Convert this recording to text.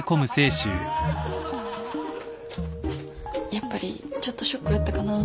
やっぱりちょっとショックやったかな。